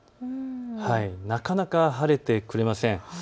なかなか晴れてくれません。